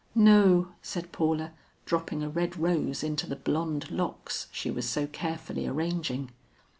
"No," said Paula, dropping a red rose into the blonde locks she was so carefully arranging.